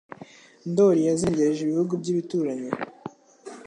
Ndoli yazengereje ibihugu by'ibituranyi,